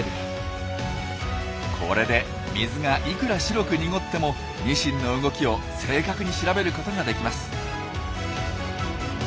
これで水がいくら白く濁ってもニシンの動きを正確に調べることができます。